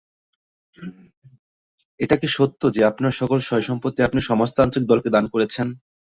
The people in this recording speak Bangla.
এটা কি সত্য যে আপনার সকল সয়-সম্পত্তি আপনি সমাজতান্ত্রিক দলকে দান করেছেন?